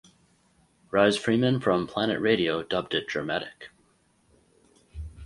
Rhys Freeman from "Planet Radio" dubbed it "dramatic".